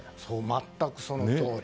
全く、そのとおり。